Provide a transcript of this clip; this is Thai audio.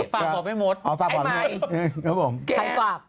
ฝากบอกไอ้มดไอ้มายใครฝากใครฝาก